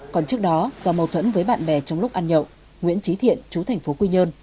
còn trước đó do mâu thuẫn với bạn bè trong lúc ăn nhậu nguyễn trí thiện chú thành phố quy nhơn